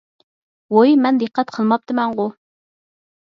ۋوي مەن دىققەت قىلماپتىمەنغۇ؟